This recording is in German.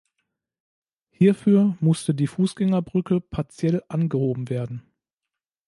Hierfür musste die Fußgängerbrücke partiell angehoben werden.